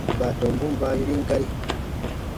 Baatɔmbun baa yorin gari.